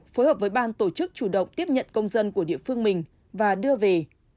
phối hợp với ban tổ chức chủ động tiếp nhận công dân của địa phương mình và đưa về